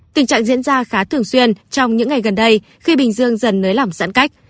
tình trạng diễn ra khá thường xuyên trong những ngày gần đây khi bình dương dần nới lỏng giãn cách